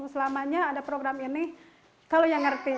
selamanya ada program ini kalau yang ngerti